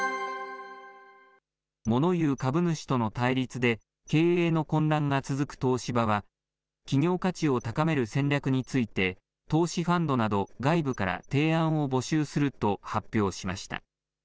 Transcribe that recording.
モノ言う株主との対立で経営の混乱が続く東芝は、企業価値を高める戦略について投資ファンドなど、外部から提案を募集すると発表しました。